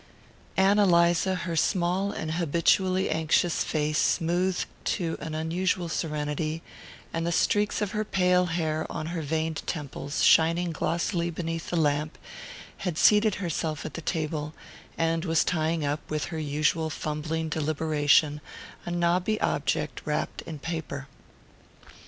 Ann Eliza, her small and habitually anxious face smoothed to unusual serenity, and the streaks of pale hair on her veined temples shining glossily beneath the lamp, had seated herself at the table, and was tying up, with her usual fumbling deliberation, a knobby object wrapped in paper.